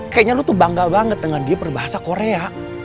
kayaknya lu tuh bangga banget dengan dia berbahasa korea